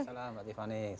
assalamualaikum wr wb